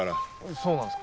そうなんですか？